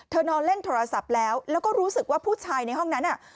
นอนเล่นโทรศัพท์แล้วแล้วก็รู้สึกว่าผู้ชายในห้องนั้นน่ะ